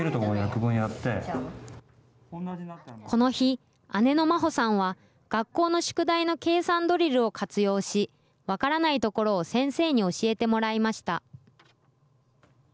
この日、姉の真歩さんは、学校の宿題の計算ドリルを活用し、分からないところを先生に教えてもらいました。